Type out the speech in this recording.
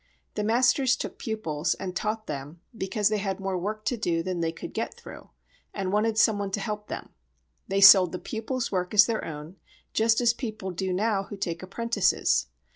The masters took pupils and taught them because they had more work to do than they could get through and wanted some one to help them. They sold the pupil's work as their own, just as people do now who take apprentices.